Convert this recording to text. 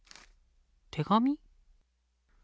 手紙？